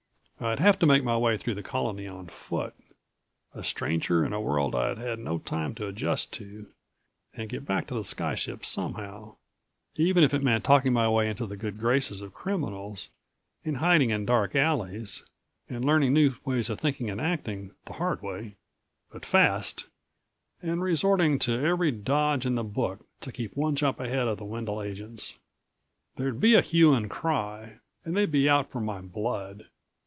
I'd have to make my way through the Colony on foot, a stranger in a world I'd had no time to adjust to and get back to the sky ship somehow even if it meant talking my way into the good graces of criminals and hiding in dark alleys and learning new ways of thinking and acting the hard way but fast and resorting to every dodge in the book to keep one jump ahead of the Wendel agents. There'd be a hue and cry and they'd be out for my blood.